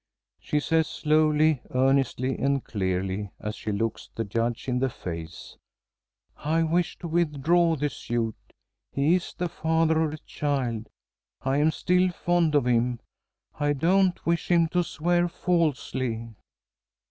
She says slowly, earnestly, and clearly, as she looks the Judge in the face: "I wish to withdraw the suit. He is the father of the child. I am still fond of him. I don't wish him to swear falsely."